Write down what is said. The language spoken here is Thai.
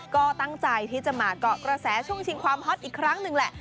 ก็ตั้งใจที่จะมาเกาะกระแสช่วงชิงความฮอตอีกครั้งหนึ่งแหละ